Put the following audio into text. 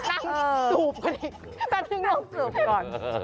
นั่งสูบเขาหน่อย